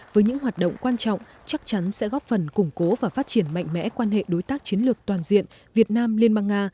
với những hoạt động quan trọng chắc chắn sẽ góp phần củng cố và phát triển mạnh mẽ quan hệ đối tác chiến lược toàn diện việt nam liên bang nga